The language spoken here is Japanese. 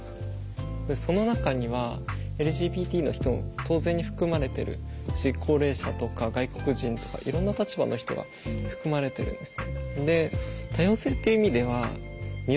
その中にはＬＧＢＴの人も当然に含まれてるし高齢者とか外国人とかいろんな立場の人が含まれてるんです。